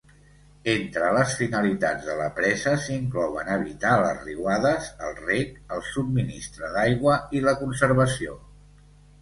Entre las finalitats de la presa s"inclouen evitar les riuades, el rec, el subministre d"aigua i la conservació.